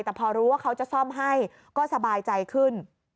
แต่พอรู้ว่าเขาจะซ่อมให้ก็สบายใจขึ้น